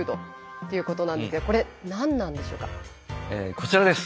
こちらです。